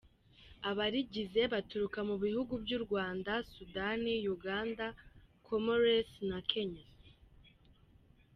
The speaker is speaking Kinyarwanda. Abarigize baturuka mu bihugu by’u Rwanda, Sudani, Uganda Comores na Kenya.